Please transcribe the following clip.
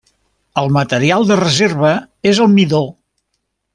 El material de reserva és el midó.